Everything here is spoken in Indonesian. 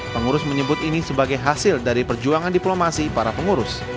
pengurus menyebut ini sebagai hasil dari perjuangan diplomasi para pengurus